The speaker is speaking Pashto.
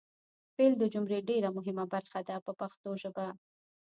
فعل د جملې ډېره مهمه برخه ده په پښتو ژبه.